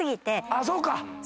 あっそうか。